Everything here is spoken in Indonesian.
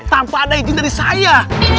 tanpa ada izin dari saya